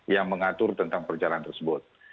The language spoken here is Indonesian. yang mengatur tentang perjalanan tersebut